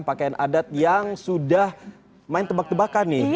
pakaian adat yang sudah main tebak tebakan nih